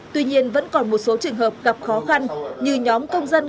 tuy nhiên vẫn còn một số trường hợp gặp khó khăn như nhóm công dân